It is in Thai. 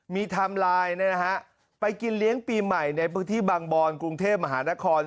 มีไทม์ไลน์ไปกินเลี้ยงปีใหม่ในพื้นที่บางบอนกรุงเทพมหานคร